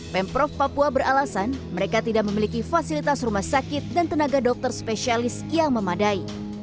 pemprov papua beralasan mereka tidak memiliki fasilitas rumah sakit dan tenaga dokter spesialis yang memadai